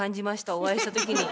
お会いしたときに。